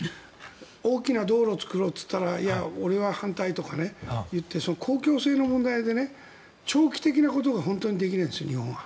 大きな道路を作ろうって言ったらいや、俺は反対とか言って公共性の問題で長期的なことが日本は本当にできないんです。